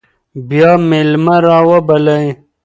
بیا میلمه راوبلئ.